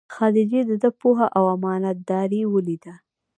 خدیجې دده پوهه او امانت داري ولیده.